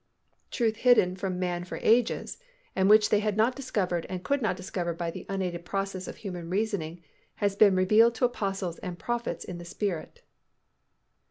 _Truth hidden from man for ages and which they had not discovered and could not discover by the unaided processes of human reasoning has been revealed to apostles and prophets in the Spirit.